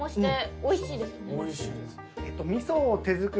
おいしいです。